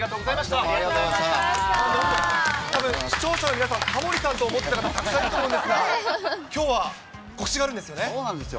どうもありがとうございましたぶん、視聴者の皆さん、タモリさんと思ってた方、たくさんいると思うんですが、きょうはそうなんですよ。